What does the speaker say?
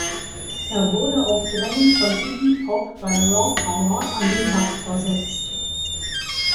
Er wurde auf Drängen von Iggy Pop bei "Raw Power" an den Bass versetzt.